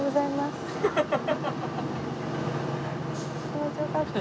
気持ち良かった。